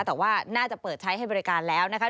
แต่ว่าน่าจะเปิดใช้ให้บริการแล้วนะคะ